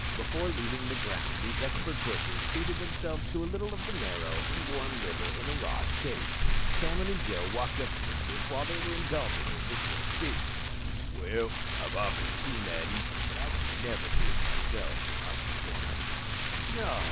Before leaving the ground these expert butchers treated themselves to a little of the marrow and warm liver in a raw state! Cameron and Joe walked up to the group while they were indulging in this little feast. "Well, I've often seen that eaten, but I never could do it myself," remarked the former. "No!"